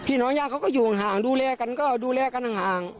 พี่น้องจากเขาก็อยู่ทางห่างดูแลกันก็ดูแลกันทางห่าง